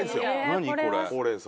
何これ？